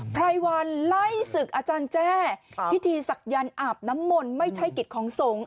พรายวัลไล่ศึกอาจารย์แจ้พิธีศักยรรย์อับน้ำมนต์ไม่ใช่กฤทธิ์ของทรง